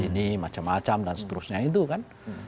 ini macam macam dan seterusnya itu kan